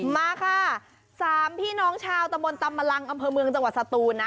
มาค่ะ๓พี่น้องชาวตะมนตำมะลังอำเภอเมืองจังหวัดสตูนนะ